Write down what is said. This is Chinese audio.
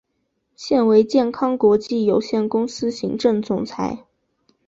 现为健康国际有限公司行政总裁。